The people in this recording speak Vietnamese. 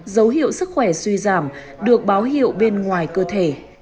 dấu hiệu sức khỏe suy giảm được báo hiệu bên ngoài cơ thể